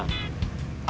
kamu sendiri gimana